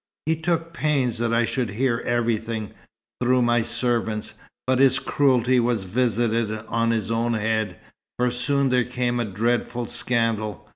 He took pains that I should hear everything, through my servants. But his cruelty was visited on his own head, for soon there came a dreadful scandal.